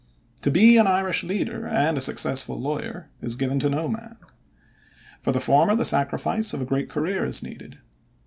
To be an Irish leader and a successful lawyer is given to no man. For the former the sacrifice of a great career is needed.